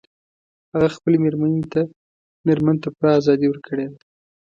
هغه خپلې میرمن ته پوره ازادي ورکړي ده